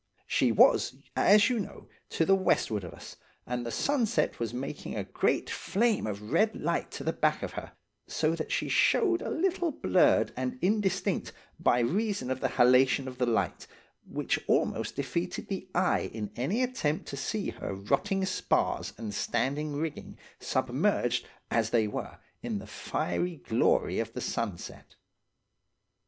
She was, as you know, to the west ward of us, and the sunset was making a great flame of red light to the back of her, so that she showed a little blurred and indistinct by reason of the halation of the light, which almost defeated the eye in any attempt to see her rotting spars and standing rigging, submerged, as they were, in the fiery glory of the sunset.